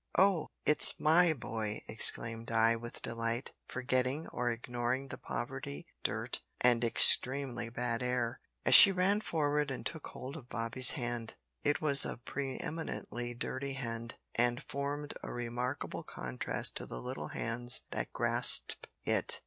"Oh! it's my boy," exclaimed Di with delight, forgetting or ignoring the poverty, dirt, and extremely bad air, as she ran forward and took hold of Bobby's hand. It was a pre eminently dirty hand, and formed a remarkable contrast to the little hands that grasped it!